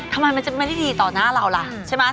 ทำไมมันจะไม่ได้ดีต่อหน้าเราล่ะใช่ไหม